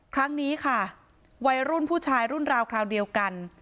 ครั้งนี้ค่ะวัยรุ่นผู้ชายรุ่นราวคราวเดียวกัน